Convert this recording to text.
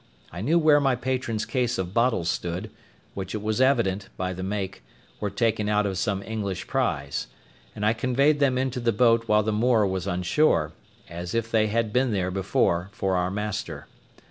I knew where my patron's case of bottles stood, which it was evident, by the make, were taken out of some English prize, and I conveyed them into the boat while the Moor was on shore, as if they had been there before for our master.